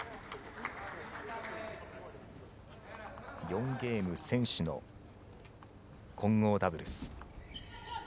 ４ゲーム先取の混合ダブルス。